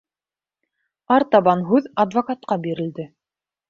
Артабан һүҙ адвокатҡа бирелде.